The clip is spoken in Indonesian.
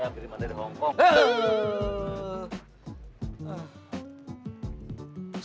ya beriman dari hongkong